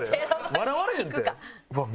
笑われへんって。